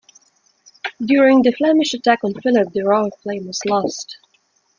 During the Flemish attack on Philip, the oriflamme was lost.